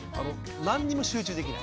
何にも集中できない。